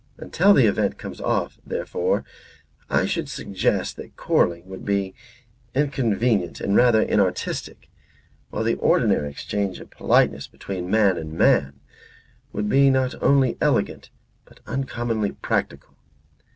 Until the event comes off, therefore I should suggest that quarrelling would be inconvenient and rather inartistic; while the ordinary exchange of politeness between man and man would be not only elegant but uncommonly practical."